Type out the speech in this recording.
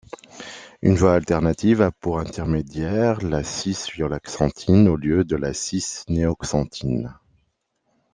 Une voie alternative a pour intermédiaire la cis-violaxanthine au lieu de la cis-néoxanthine.